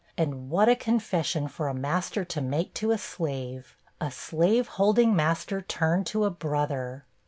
And what a confession for a master to make to a slave! A slaveholding master turned to a brother!